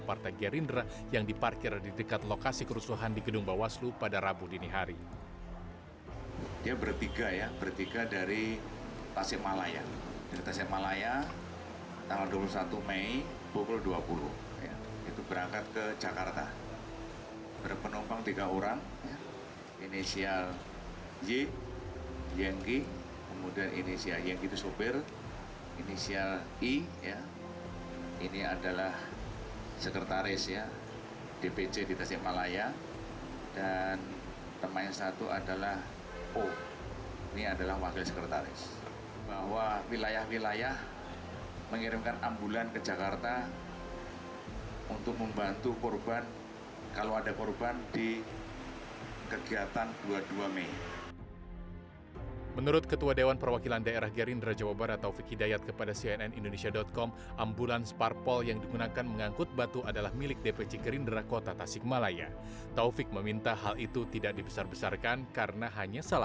apakah ini juga yang dimaksudkan dengan peserta damai atau perusuh